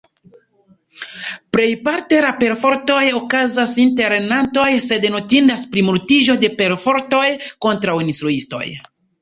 Plejparte la perfortoj okazas inter lernantoj, sed notindas plimultiĝo de perfortoj kontraŭ instruistoj.